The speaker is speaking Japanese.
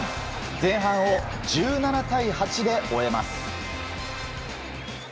前半を１７対８で終えます。